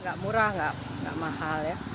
nggak murah nggak mahal ya